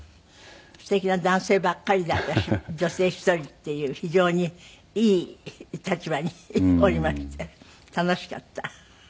素敵な男性ばっかりだったし女性１人っていう非常にいい立場におりまして楽しかった。